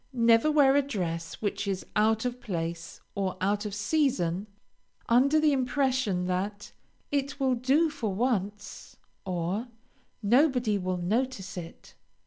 Never wear a dress which is out of place or out of season under the impression that "it will do for once," or "nobody will notice it."